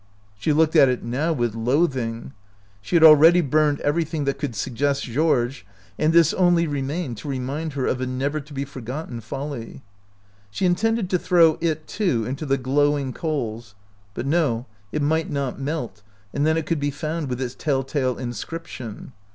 She looked at it now with loathing. She had already burned every thing that could suggest Georges, and this only remained to remind her of a never to be forgotten folly. She intended to throw it, too, into the glowing coals; but no, it might not melt, and then it could be found with its tell tale inscription.